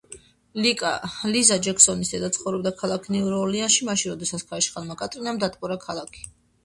ლიზა ჯეკსონის დედა ცხოვრობდა ქალაქ ნიუ-ორლეანში, მაშნ როდესაც ქარიშხალმა კატრინამ დატბორა ქალაქი.